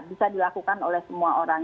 bisa dilakukan oleh semua orang